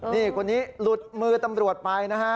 นี่คนนี้หลุดมือตำรวจไปนะฮะ